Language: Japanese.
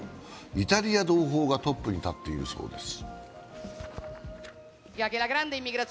イタリアの同胞がトップに立っているそうです。